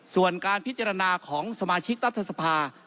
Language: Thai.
ส่วนการพิจารณาของสมาชิกรัฐสภา